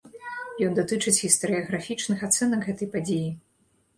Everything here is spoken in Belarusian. Ён датычыць гістарыяграфічных ацэнак гэтай падзеі.